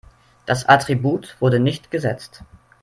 Das Attribut wurde nicht gesetzt.